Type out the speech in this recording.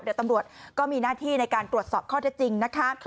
เดี๋ยวตำรวจก็มีหน้าที่ในการตรวจสอบข้อเท็จจริงนะคะ